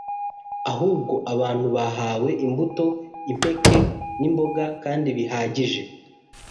ahubwo abantu bahawe imbuto, impeke, n’imboga kandi bihagije.